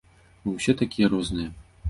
Мы ўсе такія розныя.